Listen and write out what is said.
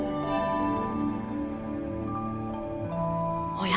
おや？